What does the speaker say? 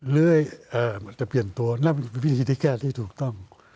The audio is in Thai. เลื้อยมันจะเปลี่ยนตัวนั่นเป็นพิธีที่แก้ที่ถูกต้อง